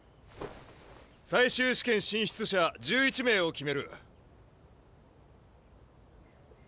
最終試験進出者１１名を決める。